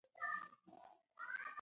که موږ یو بل ته غوږ سو نو شخړې کمیږي.